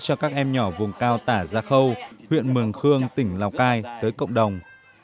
cho các em nhỏ vùng cao tả gia khâu huyện mường khương tỉnh lào cai tới cộng đồng